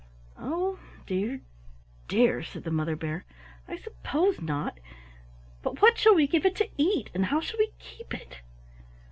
"Oh dear, dear!" said the Mother Bear, "I suppose not, but what shall we give it to eat, and how shall we keep it?"